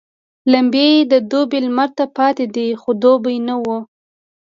لمبې يې د دوبي لمر ته پاتېدې خو دوبی نه وو.